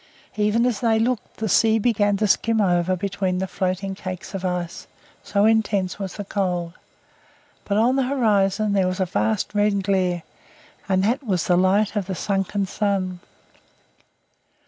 Even as they looked, the sea began to skim over between the floating cakes of ice, so intense was the cold; but on the horizon there was a vast red glare, and that was the light of the sunken sun.